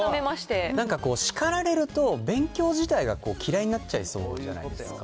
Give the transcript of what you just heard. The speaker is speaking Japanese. なんかこう、叱られると勉強自体が嫌いになっちゃいそうじゃないですか。